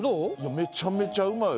めちゃめちゃうまい。